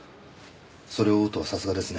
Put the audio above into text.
それを追うとはさすがですね。